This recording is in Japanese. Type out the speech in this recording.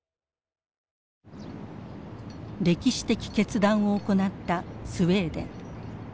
歴史的決断を行ったスウェーデン。